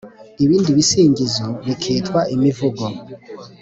ibindi bisingizo bikitwa imivugo.